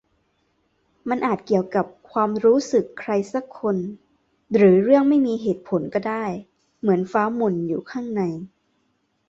มันอาจเกี่ยวกับความรู้สึก ใครสักคน หรือเรื่องไม่มีเหตุผลก็ได้ เหมือนฟ้าหม่นอยู่ข้างใน